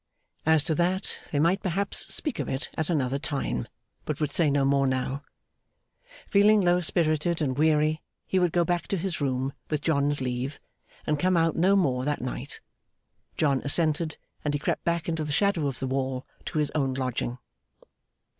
as to that, they might perhaps speak of it at another time, but would say no more now. Feeling low spirited and weary, he would go back to his room, with John's leave, and come out no more that night. John assented, and he crept back in the shadow of the wall to his own lodging.